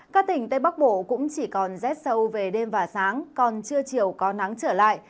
các tỉnh tây bắc bộ cũng chỉ còn rét sâu về đêm và sáng còn trưa chiều có nắng trở lại